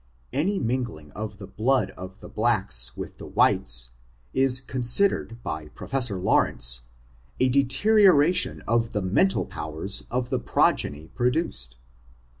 Any mingling of the blood of the blacks with the whites, is considered by Professor Lawrence, a dete rioration of the mental powers of the progeny produc ed.